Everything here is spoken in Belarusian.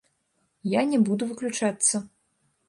Я не буду выключацца.